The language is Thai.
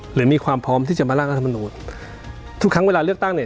หรือมีความพร้อมที่จะมาร่างรัฐมนูลทุกครั้งเวลาเลือกตั้งเนี่ย